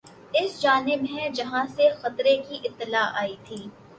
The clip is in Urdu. اسی جانب ہیں جہاں سے خطرے کی اطلاع آئی تھی